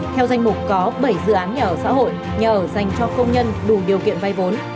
theo danh mục có bảy dự án nhà ở xã hội nhà ở dành cho công nhân đủ điều kiện vay vốn